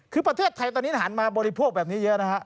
คือประเทศไทยตอนนี้หันมาบริโภคแบบนี้เยอะนะฮะ